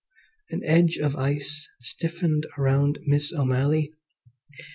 An edge of ice stiffened around Miss O'Malley.